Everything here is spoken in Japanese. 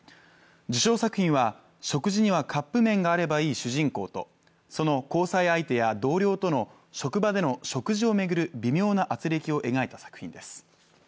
受賞作品は食事にはカップ麺があればいい主人公と、その交際相手や同僚との職場での食事を巡る微妙なあつれきを描いた作品です。